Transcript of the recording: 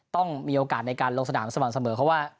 ต้องมีโอกาสในการลงสนามสม่ำเสมอเพราะว่า